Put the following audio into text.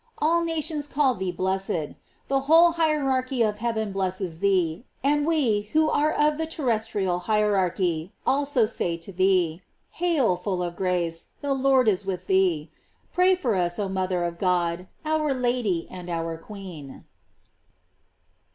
All nations call thee blessed; the whole hierarchy of heaven blesses thee, and we, who are of the terrestrial hierarchy, also say to thee: "Hail, full of grace, the Lord is with thee;" pray for us, oh mother of God, our Lady and our Queen.